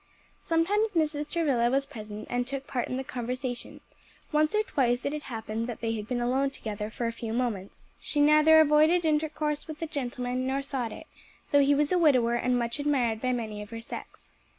Sometimes Mrs. Travilla was present and took part in the conversation; once or twice it had happened that they had been alone together for a few moments. She neither avoided intercourse with the gentleman nor sought it; though he was a widower and much admired by many of her sex.